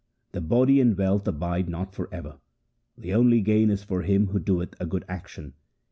The body and wealth abide not for ever. The only gain is for him who doeth a good action.'